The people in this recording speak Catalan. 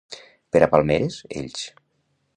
Per a palmeres, Elx.